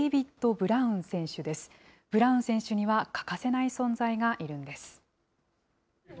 ブラウン選手には欠かせない存在がいるんです。